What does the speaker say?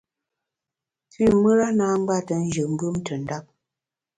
Pü mùra na ngbète njù mbùm ntùndap.